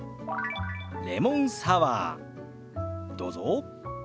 「レモンサワー」どうぞ。